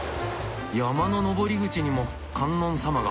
山の登り口にも観音様が。